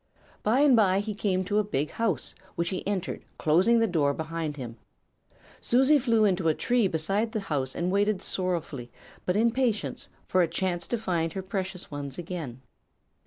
"By and bye he came to a big house, which he entered, closing the door behind him. Susie flew into a tree beside the house and waited sorrowfully but in patience for a chance to find her precious ones again.